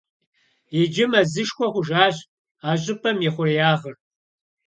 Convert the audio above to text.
Иджы мэзышхуэ хъужащ а щӏыпӏэм и хъуреягъыр.